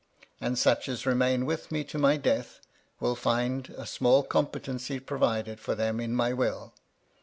And such as * remain with me to my death, will find a small com * petency provided for them in my will.